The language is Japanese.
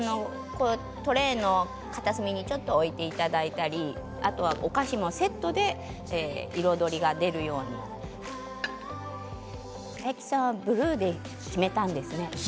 トレーの片隅にちょっと置いていただいたりお菓子もセットで彩りが出るように大吉さんはブルーで決めたんですね。